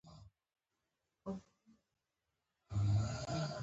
خو سهار به درې نرسان له یوه ډاکټر سره په نوبت وو.